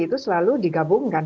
itu selalu digabungkan